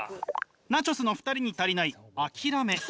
ナチョス。の２人に足りない諦め。